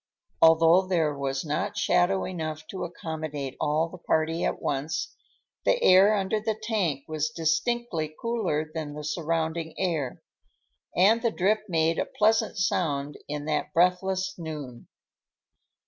Although there was not shadow enough to accommodate all the party at once, the air under the tank was distinctly cooler than the surrounding air, and the drip made a pleasant sound in that breathless noon.